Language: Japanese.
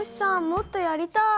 もっとやりたい。